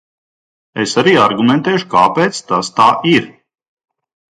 Es arī argumentēšu, kāpēc tas tā ir.